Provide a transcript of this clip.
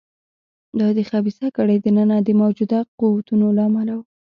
دا د خبیثه کړۍ دننه د موجوده قوتونو له امله و.